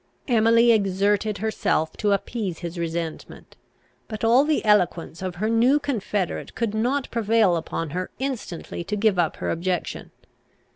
Emily exerted herself to appease his resentment; but all the eloquence of her new confederate could not prevail upon her instantly to give up her objection.